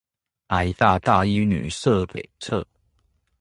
臺大大一女舍北側